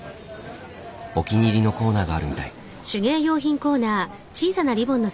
お気に入りのコーナーがあるみたい。